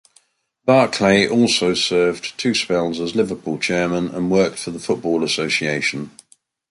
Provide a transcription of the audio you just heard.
Barclay also served two spells as Liverpool chairman and worked for the Football Association.